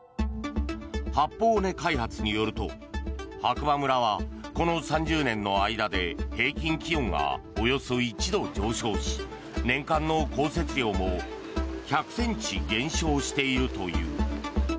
八方尾根開発によると白馬村はこの３０年の間で平均気温がおよそ１度上昇し年間の降雪量も１００ｃｍ減少しているという。